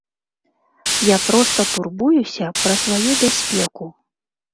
Я проста турбуюся пра сваю бяспеку.